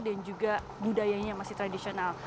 dan juga budayanya yang masih tradisional